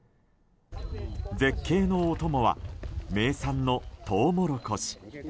絶景のお供は名産のトウモロコシ。